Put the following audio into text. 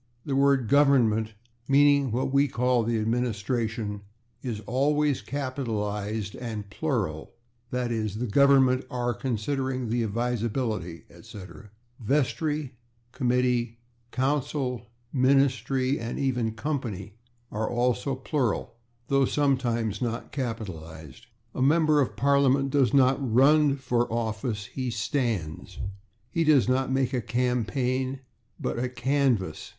The word /Government/, meaning what we call the administration, is always capitalized and plural, /e. g./, "The Government /are/ considering the advisability, etc." /Vestry/, /committee/, /council/, /ministry/ and even /company/ are also plural, though sometimes not capitalized. A member of Parliament does not /run/ for office; he /stands/. He does not make a /campaign/, but a /canvass